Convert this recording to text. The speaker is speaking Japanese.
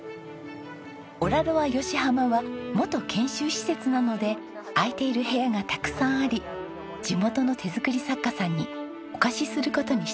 ＯｌａｌｏａＹＯＳＨＩＨＡＭＡは元研修施設なので空いている部屋がたくさんあり地元の手作り作家さんにお貸しする事にしたんです。